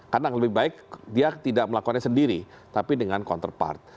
jadi yang lebih baik dia tidak melakukannya sendiri tapi dengan counterpart